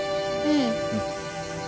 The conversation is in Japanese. うん。